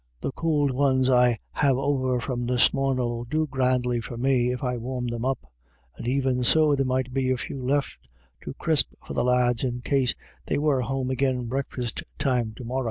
The could ones I have over from this mornin' '11 do grandly for me, if I warm them up ; and even so, there might be a few left to crisp for the lads in case they were home agin breakfast time to morra.